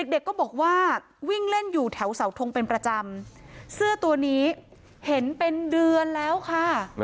เด็กก็บอกว่าวิ่งเล่นอยู่แถวเสาทงเป็นประจำเสื้อตัวนี้เห็นเป็นเดือนแล้วค่ะ